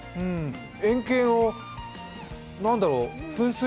円形の、何だろう、噴水？